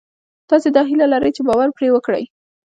تاسې دا هیله لرئ چې باور پرې وکړئ